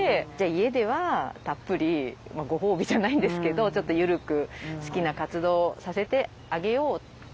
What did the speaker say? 家ではたっぷりまあご褒美じゃないんですけどちょっと緩く好きな活動をさせてあげようって思いました。